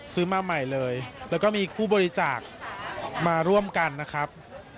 ซื้อมาใหม่เลยแล้วก็มีผู้บริจาคมาร่วมกันนะครับ